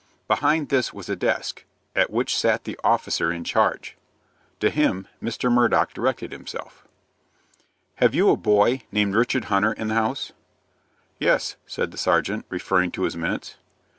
Behind this was a desk, at which sat the officer in charge. To him, Mr. Murdock directed himself. "Have you a boy, named Richard Hunter, in the house?" "Yes," said the sergeant, referring to his minutes.